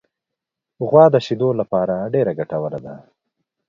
غوا د شیدو لپاره ډېره ګټوره ده.